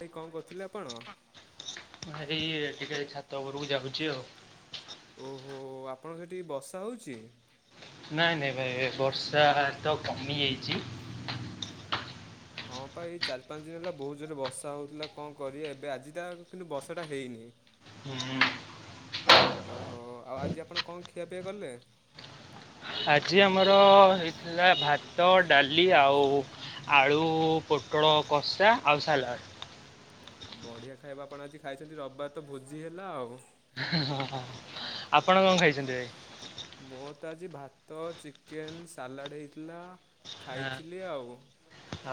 ଭାଇ କଁ କରୁଥୁଲେ ଆପଣ? ଭାଇ ଟିକେ ଛାତ ଓପୋରୋକୁ ଯାଉଚି ଆଉ। ଓହୋ ଆପଣଙ୍କ ସେଠି ବଷା ହୋଉଛି? ନାଇଁ ନାଇଁ ଭାଇ ବର୍ଷା ତ କମି ଯାଇଚି। ହଁ ପା ଏଇ ଚାରି ପାଞ୍ଚ ଦିନ ହେଲା ବୋହୁତ ଜୋରେ ବଷା ହୋଉଥୁଲା କଁ କରିବେ ଏବେ ଆଜିଟା କିନ୍ତୁ ବଷାଟା ହେଇନି। ହୁଁ। ଓହୋ ଆଉ ଆଜି ଆପଣ କଁ ଖିଆ ପିଆ କଲେ? ଆଜି ଆମର ହେଇଥିଲା ଭାତ ଡାଲି ଆଉ ଆଳୁ ପୋଟୋଳୋ କଷା ଆଉ ସାଲାଡ଼। ଆଉ ବଢିଆ ଖାଇବା ଆପଣ ଆଜି ଖାଇଛନ୍ତି ରବିବାର ତ ଭୋଜି ହେଲା ଆଉ। ହଁ ହଁ ଆପଣ କଁ ଖାଇଛନ୍ତି ଭାଇ? ମୋରୋ ତ ଆଜି ଭାତ, ଚିକେନ୍, ସାଲାଡ଼ ହେଇଥିଲା ଖାଇଥିଲି ଆଉ।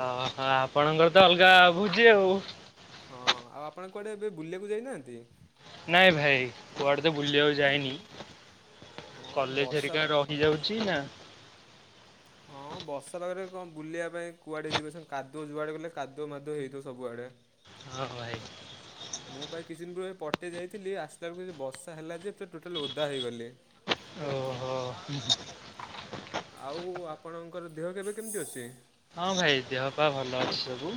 ଅଁହଁ ଆପଣଙ୍କର ତ ଅଲଗା ଭୁଜି ଆଉ। ହଁ ଆଉ ଆପଣ କୁଆଡ଼େ ଏବେ ବୁଲିବାକୁ ଯାଇନାହାନ୍ତି? ନାଇଁ ଭାଇ କୁଆଡ଼େ ତ ବୁଲିବାକୁ ଯାଇନି। ହଁ କଲେଜ୍ ବର୍ଷା ହେରିକା ପା ରହିଯାଉଛି ନା ହଁ ବର୍ଷା ପାଗରେ କଁ ବୁଲିବା ପାଇଁ କୁଆଡ଼େ ଯିବେ ସାଙ୍ଗ କାଦୁଅ ଯୁଆଡ଼େ ଗଲେ କାଦୁଅ ମାଦୁଅ ହେଇଥିବ ସବୁଆଡ଼େ। ହଁ ଭାଇ। ମୁଁ ପା ଏଇ କିଛି ଦିନ ପୂର୍ବେରେ ଏ ପଟେ ଯାଇଥିଲି ଆସିଲା ବେଳକୁ ବଷା ହେଲା ଯେ ପୁରା ଟୋଟାଲ ଓଦା ହେଇଗଲି। ଓହୋ। ଆଉ ଆପଣଙ୍କର ଦେହ କେବେ କେମିତି ଅଛି? ହଁ ଭାଇ ଦେହ ପା ଭଲ ଅଛି ସବୁ।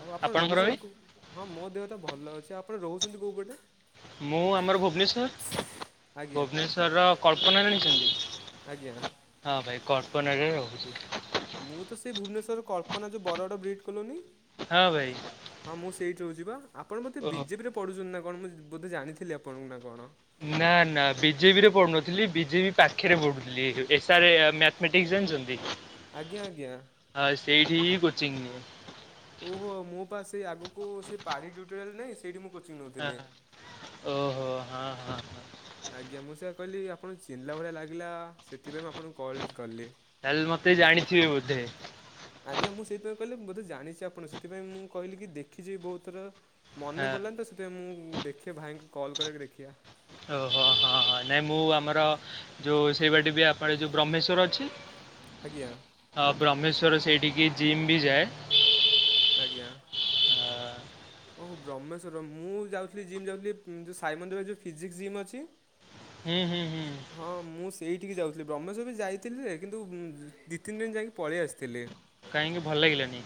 ଆଉ ଆପଣ ଆପଣଙ୍କର ଭାଇ? ରୋହୁଛନ୍ତି କୋଉ ହଁ ମୋ ଦେହତ ଭଲ ଅଛି ଆପଣ ରୋହୁଛନ୍ତି କୋଉ ପଟେ? ମୁଁ ଆମର ଭୁବନେଶ୍ୱର। ଆଜ୍ଞା ଭୁବନେଶ୍ଵରର କଳ୍ପନା ଆଜ୍ଞା ଜାଣିଚନ୍ତି? ହଁ ଭାଇ କଳ୍ପନାରେ ରହୁଛି। ମୁଁ ତ ସେଇ ଭୁବନେଶ୍ୱରର କଳ୍ପନା ଯେଉଁ ବର ଗଡ ବ୍ରିଟ କଲୋନି। ହଁ ଭାଇ। ହଁ ମୁଁ ସେଇଠି ରହୁଛି ବା ଆପଣ ବୋଧେ ଓହୋ। ବିଜେପି ରେ ପଢୁଛନ୍ତି ନା କଣ ମୁଁ ବୋଧେ ଜାଣିଥିଲି ଆପଣଙ୍କୁ ନା କଣ। ନା ନା ବିଜେପିରେ ପଢଡୁନଥିଲି ବିଜେପି ପାଖରେ ପଢୁଥିଲି ଏ ଯୋଉ। ଏସ୍ ଆର୍ ଏ ମ୍ୟାଥମେଟିକ୍ସ ଜାଣିଛନ୍ତି ଆଜ୍ଞା ଆଜ୍ଞା। ହଁ ସେଇଠି କୋଚିଂ ନିଏ। ଓହୋ ମୁଁ ବା ସେଇ ଆଗକୁ ସେ ପାଢ଼ୀ ଟ୍ୟୁଟୋରିଆଲ ନାଇଁ ସେଇଠି ମୁଁ କୋ ହଁ ଓ ହୋ ହଁ ହଁ। ହଁ ଆଜ୍ଞା ମୁଁ ସେୟଆ କହିଲି ଆପଣଙ୍କୁ ଚିହ୍ନିଲା ଭଳିଆ ଲାଗିଲା ସେଥିପାଇଁ ମୁଁ ଆପଣଙ୍କୁ କଲ୍ କଲି। ତାହେଲେ ମତେ ଜାଣିଥିବେ ବୋଧେ‌। ଆଜ୍ଞା ମୁଁ ସେଇଥିପାଇଁ କହିଲି ବୋଧେ ଜାଣିଛି ଆପଣକୁ ସେଥିପାଇଁ ମୁଁ କହିଲି କି ଦେଖିଛିି ବି ବହୁତ ଥର। ହଁ ମନେପଡ଼ିଲାନି ତ ସେଥିପାଇ ମୁଁ ଦେଖେ ଭାଇଙ୍କୁ କଲ୍ କରିକି ଦେଖିଆ। ଓହୋ ହଁ ନାଇଁ ମୁଁ ଆମର। ଯୋଉ ସେଇ ବାଟେ ବି ଆପଣ ଯୋଉ ବ୍ରହ୍ମେଶ୍ଵର ଅଛି। ଆଜ୍ଞା। ହଁ ବ୍ରହ୍ମେଶ୍ଵର ସେଇଠି କି ଜିମ ବି ଯଏ। ଆଜ୍ଞା। ଅ, ଓ ହୋ ବ୍ରହ୍ମେଶ୍ୱର ମୁଁ ଯାଉଥିଲି ଜିମ୍ ଯାଉଥିଲି ଉଁ ସାଇ ମନ୍ଦିର ଯୋଉ ଫିଜିକ୍ସ ଜିମ୍ ଅଛି। ହୁଁ ହୁଁ ହୁଁ। ହଁ ମୁଁ ସେଇଠିକି ଯାଉଥିଲି ବ୍ରହ୍ମେଶ୍ୱର ବି ଯାଇଥିଲି କିନ୍ତୁ ଦିଇ ତିନି ଦିନ ଯାଇକି ପଳେଇ ଆସିଥିଲି। କାହିଁକି ଭଲ ଲାଗିଲାନି।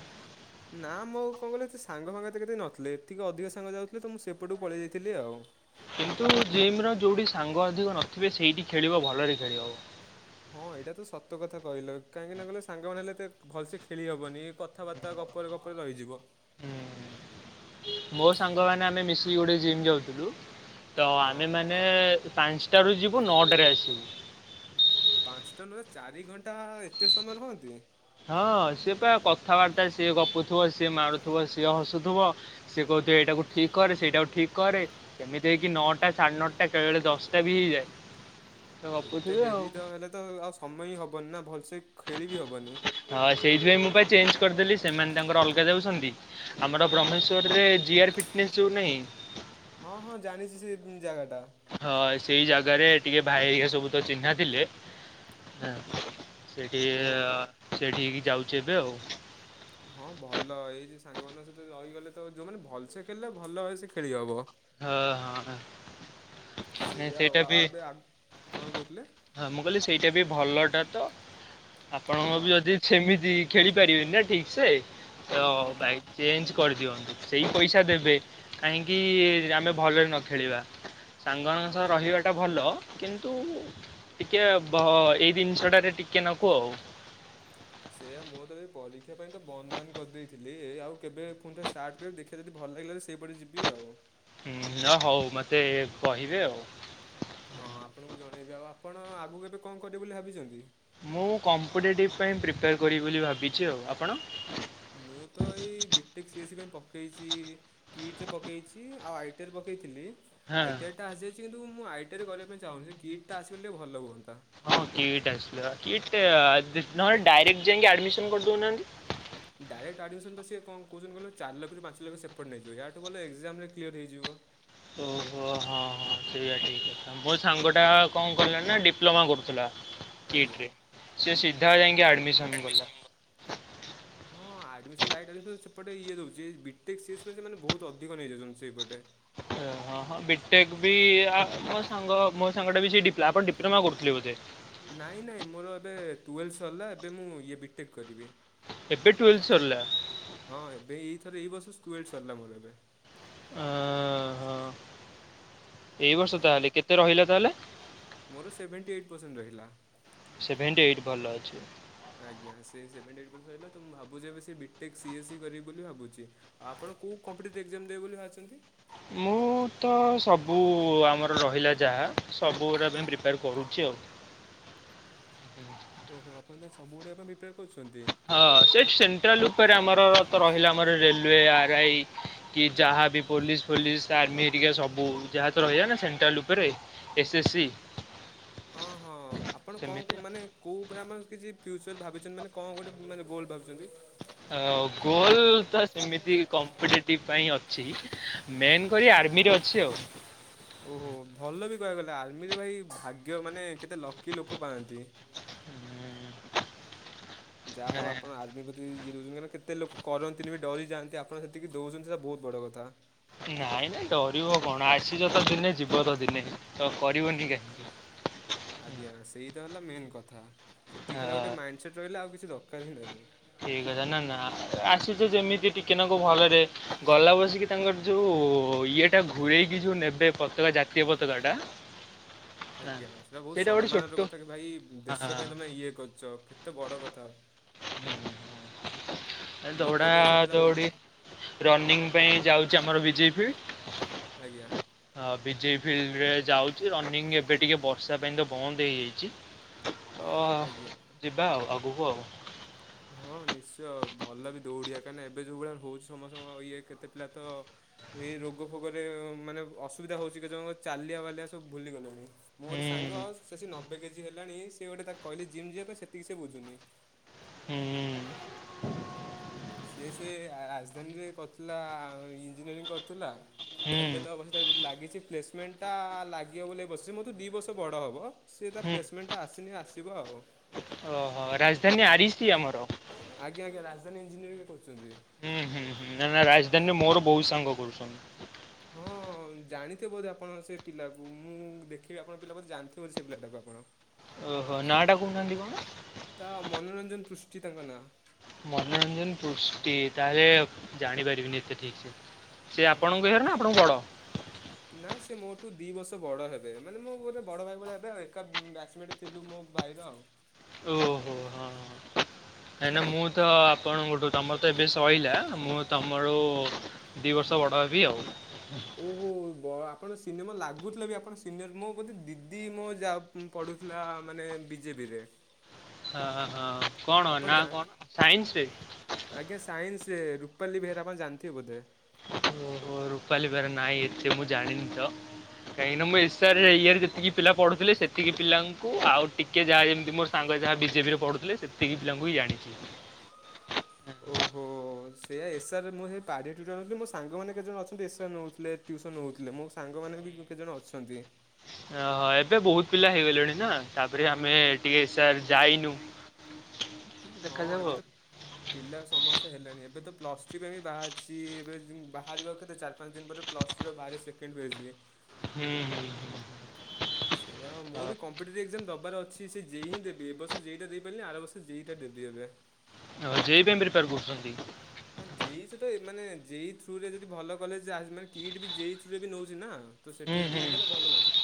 ନା ମୋ କଣ କଇଲ ଏତେ ସାଙ୍ଗ ଫାଙ୍ଗ ଏତେ କେଇ ନଥିଲେ ଏତିକି ଅଧିକ ସାଙ୍ଗ ଯାଉଥିଲେ ତ ମୁଁ ସେପଟକୁ ପଳେଇ ଯାଇଥିଲି ଆଉ। କିନ୍ତୁ ଜିମ ର ଯୋଉଠି ସାଙ୍ଗ ଅଧିକ ନଥିବେ ସେଇଠି ଖେଳିବ ଭଲରେ ଖେଳିହବ। ହଁ ଏଇଟା ତ ସତ କଥା କହିଲ କାହିଁକି ନା କହିଲ ସାଙ୍ଗମାନେ ହେଲେ ଏତେ ଭଲସେ ଖେଳି ହବନି। କଥାବାର୍ତ୍ତା ଗପରେ ଗପରେ ରହିଯିବ। ମୋର ସାଙ୍ଗ ମାନ ଆମେ ମିଶିକି ଗୋଟେ ଜିମ୍ ଯାଉଥିଲୁ ତ ହଁ ଆମେ ମାନେ। ମାନେ ପାଞ୍ଚଟାରୁ ଯିବୁ ନଅଟାରେ ଆସିବୁ। ପାଞ୍ଚଟା ନୁହେଁ ଚାରି ଘଣ୍ଟା ଏତେ ସମୟ ରହନ୍ତିି। ହଁ ସିଏ ପା କଥାବାର୍ତ୍ତା ସିଏ ଗପୁଥିବ ସିଏ ମାରୁୁଥିବ ସିଏ ହସୁଥିବ। ସିଏ କହୁଥିବ ଏଇାକୁ ଠିକ କରେ ସେଇଟାକୁ ଠିକ। କରେ କେମିତି ହେଇକି ନଅଟା ସାଢେ ନଅଟା ବେଳେ ବେଳେ ଦଶଟା ବି ହେଇଯାଏ। ତ ଏତେ ଗପୁଥିବେ ଆଉ। ଡେରି ତ ହେଲେ ତ ଆଉ ସମୟ ହିଁ ହବନି ନା ଭଲସେ ଖେଳି ବି ହବନି। ହଁ ସେଇଥି ପାଇଁ ମୁଁ ବା ଚେଞ୍ଜ କରିଦେଲି ସେମାନେ ତାଙ୍କର ଅଲଗା ଯାଉଛନ୍ତି। ଆମର ବ୍ରହ୍ମେଶ୍ଵରେ ଜିଆର୍ ଫିଟନେସ୍ ଯୋଉ ନାହିଁ। ହଁ ହଁ ଜାଣିଛି ସେ ଜାଗା ଟା। ହଁ ସେଇ ଜାଗାରେ ଟିକେ ଭାଇା ଘରିକା ସବୁ ତ ଚିହ୍ନା ଥିଲେ ଏଁ। ସେଇଠି ଓହୋ ସେଇଠିକି ଯାଉଛି ଏବେ ଆଉ। ହଁ ଭଲ ଏଇ ଯେ ସାଙ୍ଗମାନଙ୍କ ସହିତ ରହିଗଲେ ତ ଯୋଉମାନେ ଭଲସେ ଖେଳିଲେ ଭଲ ଭାବ ସେ ଖେଳି ହବ। ହେ ହଁ। ନାଇଁ ସେୟାଆଉ ସେଇଟା ବି ଏବେ ଆ କଣ କହୁଥିଲେ। ହଁ ମୁଁ କହିଲି ସେଇଟା ବି ଭଲଟା ତ ଆପଣଙ୍କୁ ହଁ ବି ଯଦି। ସେମିତି ଖେଳି ପାରିବେନି ନା ଠିକ ତ ହଁ ପା ଭାଇ। ଚେଞ୍ଜ କରିଦିଅନ୍ତୁ ସେଇ ପଇସା ଦେବେ କାହିଁକି। ଯଦି ଆମେ ଭଲରେ ନ ଖେଳିବା ସାଙ୍ଗ ମାନଙ୍କ ସହ ହଁ ରହିବା। ଟା ଭଲ କିନ୍ତୁ ଟିକେ ଭ ଏଇ ଜିନିଷଟାରେ ଟିକେ ନାକୁ ଆଉ। ସେଇୟା ମୁଁ ତ ଏ ପରୀକ୍ଷା ପାଇଁ ତ ବନ୍ଦ ବାନ୍ଦ କରିଦେଇଥିଲି ଏ ଆଉ କେବେ ଫୁଣି ଥରେ ଷ୍ଟାର୍ଟ କରିବି ଦେ କିବା ଯଦି ଭଲ ଲାଗିଲା ସେ ପଟେ ଯିବି ଆଉ। ହୁଁ ହ ହଉ ମତେ କହିବେ ଆଉ। ହଁ ଆପଣଙ୍କୁ ଜଣେଇବି ଆଉ ଆପଣ ଆଗକୁ କେବେ କଣ କରିବେ ବୋଲି ଭାବିଛନ୍ତି। ମୁଁ କମ୍ପିଟେଟିଭ ପାଇଁ ପ୍ରିପେୟାର କରିବି ବୋଲି ଭାବିଛି ଆଉ ଆପଣ। ମୁଁ ତ ଏଇ ବିଟେକ୍ ସିଏ ସି ପାଇଁ ପକେଇଚି। କିଟ୍ ରେ ପକେଇଚି ଆଉ ଆଇଟରେ ପକେଇଥିଲି। ହଁ। ଆଇ ଟି ଆର ଟା ଆସିଯାଇଛି କିନ୍ତୁ ମୁଁ ଆଇ ଟିଆରରେ କରିବା ପାଇଁ ଚାହୁଁନି କିଟ୍ ଟା ଆସିଗଲେ ଭଲ ହୁଅନ୍ତା। ହଁ କିଟ୍ ଆସିଲ କିଟ୍ ନହଲେ ଡାଇରେକ୍ଟ ଯାଇକି ଆଡମିସନ କରିଦଉନାହାନ୍ତି। ଡାଇରେକ୍ଟ ଆଡ଼ମିସନ୍ ପା ସିଏ କଣ କହୁଛନ୍ତି କହିଲ ଚାରିଲକ୍ଷରୁ ପାଞ୍ଚ ଲକ୍ଷ ସେପଟେ ନେଇଯିବେ ୟାଠୁ ଭଲ ଏକ୍ଜାମରେ କ୍ଲିୟର ହେଇଯିବ। ଓହୋ ହଁ ହଁ ସେଇଆ ଠିକ୍। ମୋ ସାଙ୍ଗ ଟା କଣ କଲା ନା ଡିପ୍ଲୋମା କରୁଥିଲା। କିଟ୍ ଆଜ୍ଞା। ରେ ସେ ସିଧା ଯାଇକି ଆଡମିସନ କଲା। ହଁ ଆ ଆଡମିସନ୍ ଡାଇରେକ୍ଟ ହେଇନଥିବ ସେପଟେ ଇଏ ଦଉଛି ବିଟେକ୍ ସିଟ୍ ପାଇଁ ସେମାନେ ବୋହୁତ ଅଧିକ ନେଇଯାଉଛନ୍ତି ସେଇ ପଟେ। ଓ ହଁ ହଁ ବିଟେକ୍ ବି ଆ ମୋ ସାଙ୍ଗ ମୋ ସାଙ୍ଗଟା ବି ସେ ଡିପ୍ ଆପଣ ଡିପ୍ଲୋମା କରୁଥିଲେ ବୋଧେ। ନାାଇଁ ନାଇଁ ମୋର ଏବେ ଟୁଏଲ୍ଭ ସିରିଲା ଏବେ ମୁଁ ଇଏ ବିଟେକ୍ କରିବି। ଏବେ ଟୁୱେଲ୍ଭ ସରିଲା। ହଁ ଏବେ ଏଇଥରେ ଏଇ ବର୍ଷ ଟୁଏଲ୍ଭ ସରିଲା ମୋର ଏବେ। ଅ ହଁ ଏଇ ତ ବର୍ଷ ତାହେଲେ କେତେ ରହିଲା ତାହେଲେ। ମୋର ସେଭେଣ୍ଟି ଏଇଟ୍ ପରସେଣ୍ଟ ରହିଲା। ସେଭେଣ୍ଟି ଏଇଟ୍ ଭଲ ଅଛି। ଆଜ୍ଞା ସେ ସେଭେଣ୍ଟି ଏଇଟ୍ ପର୍ସେଣ୍ଟ ରହିଲା ତ ମୁଁ ଭାବୁଛି ଏବେ ସେ ବିଟେକ୍ ସିଏସ୍ ସି କରିବି ବୋଲି ଭାବୁଚି। ଆପଣ କୋଉ କମ୍ପିଟେଟିଭ୍ ଏକ୍ଜାମ ଦେବେ ବୋଲି ଭାବିଛନ୍ତି। ମୁଁ ତ ସବୁ ଆମର ରହିଲା ଯାହା ସବୁଗୁଡ଼ା ପାଇଁ ପ୍ରିପେୟାର କରୁଚି ଆଉ। ଓହୋ ଆପଣ ତାହେଲ୍ ସବୁଉଡା ପାଇଁ ପ୍ରିପ୍ୟାର ହଁ ସେ ସେଣ୍ଟ୍ରାଲ ଉପରେ ଆମର ତ ରହିଲା ଆମର ରେଲୱେ ଆରଆଇ। କି ଯାହାବି ପୋଲିସ ଫୋଲିସ ଆର୍ମି ହେରିକ ସବୁ ଯାହା ତ ରହିବ ନା ସେଣ୍ଟ୍ରାଲ ଉପରେ। S C. ହଁ ହଁ ଆପଣ ସେମିତି କଣ ମାନେ କୋଉ ଉପରେ ଆମର କିଛି ଫ୍ୟୁଚର ଭାବିଛନ୍ତି ମାନେ କଣ ଗୋଟେ ମାନେ ଗୋଲ ଭାବୁଛନ୍ତି। ଗୋଲ ତ ସେମିତି କମ୍ପିଟେଟିଭ ପାଇଁ ଅଛି। ମେନ୍ କରି ଆର୍ମି ରେ ଅଛି ଆଉ। ଓହୋ ଭଲ ବି କହିବାକୁ ଗଲେ ଆର୍ମିରେ ଭାଇ ଭାଗ୍ୟ ମାନେ କେତେ ଲକି ଲୋକ ପାଆନ୍ତି। ହୁଁ। ଯାହା ହଉ ଆପଣ ଆର୍ମି କୁ ଇଏ ଦେଉଛନ୍ତି କେଟେ ଲୋକ କରନ୍ତିନି ବି ଡରିଯାଆନ୍ତି ଆପଣ ସେତିକି ଦେଉଛନ୍ତି ସେଇଟା ବହୁତ ବଡ଼ କଥା। ନାଇଁ ନାଇଁ ଡରିବ କଣ ଆସିଛ ତ ଦିନେ ଯିବ ତ ଦିନେ ତ କରିବନି କାହିଁ। ଆଜ୍ଞା ସେଇ ତ ହେଲା ମେନ୍ କଥା ସେତିକି ଖାଲି ଗୋଟେ ଆ ମାଇଣ୍ଡ ସେଟ୍ ରହିଲେ ଆଉ କିଛି ଦରକାର ହିଁ ନାହିଁ। ଠିକ ଅଛି ନା ନା ଆସୁଛ ଯେମିତି ଟିକେ ନାକୁ ଭଲରେ ଗଲା ବସିକି ତାଙ୍କର ଯୋଉ ଓ ଇଏ ଟା ଘୁରରେଇକି ଯୋଉ ନେବେ ପତାକା ଜାତୀୟ ପତାକା ଟା। ଆଜ୍ଞା ସେଇଟା ବୋହୁତ ଗୋଟେ ଛୋଟ ସମ୍ମାନର କଥା କି ଭାଇ ଦେଶ ପାଇଁ ତମେ ଇଏ କରୁଚ। ଏତ ବଡ଼ କଥା। ଲୋକ ଦୌଉଡ଼ା ତ ଏ ଖାଲି ବୁ ଦଉଡ଼ି। ରନିଂ ପାଇଁ ଯାଉଛି ଆମର ବିଜେପି। ଆଜ୍ଞା ହଁ ବିଜେ ଫିଲ୍ଡ ରେ ଯାଉଛି ରନିଂ ଏବେ ଟିକେ ବର୍ଷା ପାଇଁ ତ ବନ୍ଦ ହେଇଯାଇଛି। ଆଜ୍ଞା। ଆ ଆଗକୁ ଆଉ। ହଁ ନିଶ୍ଚୟ ଭଲ ବି ଦୌଡ଼ିଆ କାହିଁକିନା ଏବେ ଯୋଉ ଭଳିଆ ହଉଛି ସମସ୍ତଙ୍କ ଇଏ କେତେ ପିଲା ତ ଏଇ ରୋଗ ଫୋଗରେ ମାନେ ଅସୁବିଧା ହଉଚି କେତେ ଜଣଙ୍କ ଚାଲିଆ ବାଲିଆ ସବୁ ଭୁଲି ଗଲେଣି। ମୁଁ ଗୋଟେ ସାଙ୍ଗ ସେ ହୁଁ ଆସିକି ନବେ କେଜି ହେଲାଣି ସିଏ ଗୋଟେ ତାକୁ କହିଲି ଜିମ୍ ଯିବା ପାଇଁ ସେତିକି ସେ ବୁଝୁନି। ହୁଁ। ସିଏ ସେ ରାଜଧାନୀରେ କରିଥିଲା ଇଞ୍ଜିନିୟରିଂ କରିଥିଲା ହୁଁ ଏବେ ତ ଲାଗିଛି ପ୍ଲେସମେଣ୍ଟା ଲାଗିବ ବୋଲି ବସିଛି ମୋ ଠୁ ଦିଇ ବର୍ଷ ବଡ଼ ହେବ। ସିଏ ତା ହୁଁ ପ୍ଲେସମେଣ୍ଟଟା ଆସିନି ଆସିବ ଆଉ। ଓହୋ ରାଜଧାନୀ ଆରିସି ଆମର। ଆଜ୍ଞା ଆଜ୍ଞା ରାଜଧାନୀ ଇଞ୍ଜିନିୟରିଂ ଏବେ କରୁଛନ୍ତି। ହୁଁ ହୁଁ ହୁଁ ନା ନା ରାଜଧାନୀରେ ମୋର ବହୁତ ସାଙ୍ଗ କରୁଛନ୍ତି। ହଁ। ଜାଣିଥିବ ଯଦି ଆପଣ ସେ ପିଲାକୁ ମୁଁ ଦେଖିବି ଆପଣ ପିଲା ବୋଧେ ଜାଣିଥିବେ ସେ ପିଲାଟାକୁ ଆପଣ। ଓହୋ ନା ଟା କହୁନାହାନ୍ତି କଣ? ତା ମନୋରଞ୍ଜନ ପୃଷ୍ଟି ତାଙ୍କ ନାଁ। ମନୋରଞ୍ଜନ ପୃଷ୍ଟି ତାହେଲେ ଜାଣିପାରିବିନି ଏତେ ଠିକ୍ ସେ। ସିଏ ହଁ। ଆପଣଙ୍କ ଇଏରେ ନା ଆପଣଙ୍କଠୁ ବଡ଼? ନା ସେ ମୋ ଠୁ ଦି ବର୍ଷ ବଡ଼ ହେବେ ମାନେ ମୋର ବଡ଼ ଭାଇ ଭଳିଆ ହେବେ ଆଉ ଏକ ବ୍ୟାଚ [unintelligible] ଥିଲୁ ମୋ ବାଇର ଆଉ। ଓହୋ ହଁ ହଁ। କାହିଁକି ନା ମୁଁ ତ ଆପଣଙ୍କ ଠୁ ତମର ତ ଏବେ ସଇଲା ମୁଁ ତ ମୋର ଦି ବର୍ଷ ବଡ଼ ହେବି ଆଉ। ଓହୋ ବ ଆପଣ ସିନେମା ଲାଗୁଥିଲା ବି ଆପଣ ସିନର ମୋ ବୋଧେ ଦିଦି ମୋ ଯା ଦି ପଢ଼ୁଥିଲା ମାନେ ବିଜେପିରେ। ଆ ହା କଣ ଆପଣ ନା ଜା କଣ ସାଇନ୍ସ ରେ? ଆଜ୍ଞା ସାଇନ୍ସ ରେ ରୂପାଲି ବେହେରା ଆପଣ ଜାଣିଥିବେ ବୋଧେ। ଓ ହୋ ରୂପାଲି ବେହେରା ନାଁଇ ଏତେ ମୁଁ ଜାଣିନି ତ। କାହିଁକି ନା ମୁଁ ଇର୍ଷାରେ ଇଏରେ ଯେତିକି ପିଲା ପଢୁଥିଲେ ସେତିକି ପିଲାଙ୍କୁ ଆଉ ଟି କିଏ ଯାହା ଯେମିତି ମୋର ସାଙ୍ଗ ଯାହା ବିଜେପି ରେ ପଢୁଥିଲେ ସେତିକି ପିଲଙ୍କୁ ହିଁ ଜାଣିଛି। ଓହୋ ସେୟା ଏ ସାର୍ ମୁଁ ସେଇ ପାରି ଟୁଟି ନେଉଥିଲି ମୋ ସାଙ୍ଗମାନେ କେତେ ଜଣ ଅଛନ୍ତି ଏ ସାର୍ ନେଉଥିଲେ। ଟ୍ୟୁସନ୍ ହେଉଥିଲେ ମୋ ସାଙ୍ଗମାନେ ବି କେତେ ଜଣ ଅଛନ୍ତି। ଓହୋ ଏବେ ବହୁତ ପିଲା ହେଇଗଲେଣି ନା ତାପରେ ଆମେ ଟିକେ ଏସାର୍ ଯାଇନୁ। ହଁ ଦେଖାଯାଉ ଏବେ ଆଉ। ତ ପିଲା ସମସ୍ତେ ହେଲେଣି ଏବେ ତ ପ୍ଲସ୍ ଥ୍ରି ପାଇଁ ବି ବାହାରିଛି ଏବେ ବାହାରିବ କେତେ ଚାରି ପାଞ୍ଚ ଦିନ ପରେ। ପ୍ଲସ ଥ୍ରି ପା ବାହାରିବ ସେକେଣ୍ଡ ପେଜ୍ ବିଏ। ହୁଁ ହୁଁ ହୁଁ। ସେଇଆ ପା ମୋର ବି କମ୍ପିଟଟିଭ ଏକ୍ଜାମ ଦେବାର ଅଛି ସେ ଜେଇ ଦେବି ଏର୍ଷ ଯେଇଟା ଦେଇପାରିଲିନି ଆର ବର୍ଷ ଯେଇଟା ଦେବି ଏବେ। ଓ ଜେଇଇ ପାଇଁ ପ୍ରୀପାର କରୁଛନ୍ତି? ହଁ ଜେଇଇ ସତ ଏମାନେ ଜେଇଇ ଥ୍ରୁରେ ଯଦି ଭଲ କଲେଜ ମାନେ କିଟ୍ ବି ଜେଇଇ ଥ୍ରୁ ରେ ବି ନଉଛି ନା। ତ ହୁଁ ସେଇଠୁ ଯଦି ହୁଁ ହେଇଗଲେ ଭଲ ହୁଅନ୍ତା।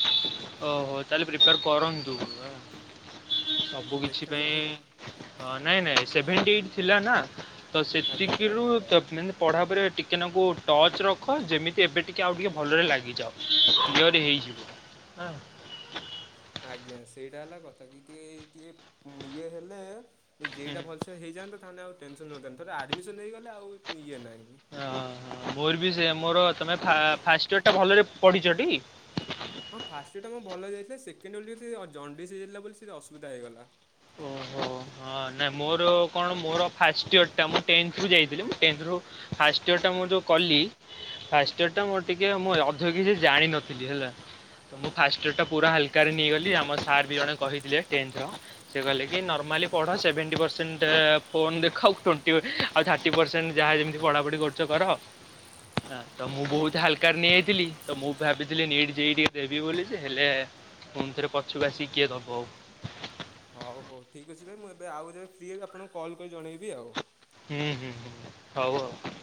ଓହୋ ତାହେଲେ ପ୍ରିପେୟାର କରନ୍ତୁ ହଁ ସବୁକିଛି ପାଇଁ ଦେଖାଯାଉ ହଁ ନାଇଁ ନାଇଁ ସେଭେଣ୍ଟି ଏଇଟ ଥିଲା ନା ତ ଆଜ୍ଞା। ସେତିକିରୁ ତ ମାନେ ପଢ଼ାଉପରେ ଟିକେ ନାଗୁ ଟଚ୍ ରଖ ଯେମିତି ଏବେ ଟିକେ ଆଉ ଟିକେ ଭଲରେ ଲାଗିଯାଅ। କ୍ଲିଅର ହେଇଯିବ। ଆଜ୍ଞା ସେଇଟା ହେଲା କଥା କି ଟିକେ ଇଏ ଟିକେ ଇଏ ହେଲେ ହୁଁ ଯେଇଟା ଭଲ ସେ ହୋଇଯାଆନ୍ତା ତାହେଲେ ଆଉ ଟେନସନ୍ ହୁଅଥାନ୍ତି ଥରେ ଆଡ଼ମିସନ୍ ହେଇଗଲେ ଆଉ ଇଏ ନାଇଁ ଓ ହ ମୋର ବି ସେଆ ମୋର ତମେ ଫା ଫାଷ୍ଟ ଇୟର ଟା ଭଲରେ ପଢିଛ ଟି? ହଁ ଫାଷ୍ଟ ଇୟର ଟା ମୋ ଭଲରେ ଯାଇଥିଲା ସେକେଣ୍ଡ ଏଳକୁ ଜଣ୍ଡିସ୍ ହେଇଯାଇଥିଲା ବୋଲି ସେ ଅସୁବିଧା ହେଇଗଲା। ଓହୋ। ହଁ ନାଇଁ ମୋର କଣ ମୋର ଫାଷ୍ଟ ଇୟର ଟା ମୁଁ ଟେନ୍ଥ ରୁ ଯାଇଥିଲି ଟେନ୍ଥ ରୁ ଫାଷ୍ଟ ଇଅର୍ ଟା ମୁଁ ଯୋଉ କଲି ଫାଷ୍ଟ ଇଅର୍ ଟା ମୋର ଟିକେ ମୁଁ ଅଧିକ କିଛି ଜାଣିିନଥିଲି ହେଲା। ତ ମୁଁ ଫାଷ୍ଟ ଇଅର ଟା ପୁରା ହାଲକାରେ ନେଇଗଲି ଆମ ସାର୍ ବି ଜଣେ କହିଥିଲେ ଟେନଥ ର। ସେ କହିଁଲେ କି ନର୍ମାଲି ପଢ଼ ସେଭେନଣ୍ଟୀ ପରସେଣ୍ଟ ଫୋନ୍ ଦେଖ ଟ୍ବେଣ୍ଟି ଆଉ ଥାର୍ଟି ପରସେଣ୍ଟ ଯାହା ଯେମିତି ପଢ଼ାପଢ଼ି କରୁଛ କର। [inaudible] ହଁ ତ ମୁଁ ବହୁତ ହାଲକା ରେ ନେଇଯାଇଥିଲି ତ ମୁଁ ଭାବିଥିଲି ନୀଟ ଜେଇଇ ଟିକେ ଦେବି ବୋଲି ଯେ ହେଲେ ପୁଣି ଥରେ ପଛକୁ ଆସି କିଏ ଦବ ଆଉ। ହଉ ହଉ ଠିକ୍ ଅଛି ଭାଇ ମୁଁ ଏବେ ଆଉ ଯେବେ ଫ୍ରି ହେଲେ ଆପଣଙ୍କୁ କଲ୍ କରି ଜଣେଇବି ଆଉ। ହୁଁ ହୁଁ ହୁଁ ହଉ ଆଉ।